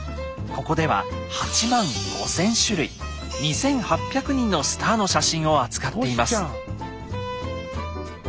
ここでは８万５，０００種類２，８００人のスターの写真を扱っています。